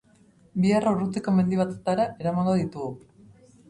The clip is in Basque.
Bihar urrutiko mendi batetara eramango ditugu.